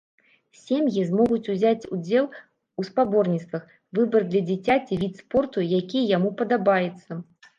Сем'і змогуць узяць удзел у спаборніцтвах, выбраць для дзіцяці від спорту, які яму падабаецца.